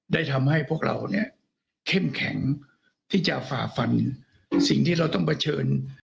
ได้ทำให้พวกเราเนี่ยเข้มแข็งที่จะฝ่าฟันสิ่งที่เราต้องเผชิญ